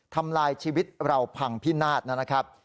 ทำลายชีวิตเราพังพินาศนะครับ